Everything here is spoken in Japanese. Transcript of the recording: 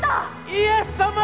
イエス様！